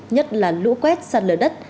nhất là lũ quét sạt lở đất